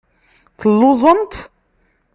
Telluẓemt?